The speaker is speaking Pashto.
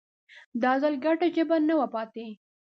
دا ځل ګډه ژبه نه وه پاتې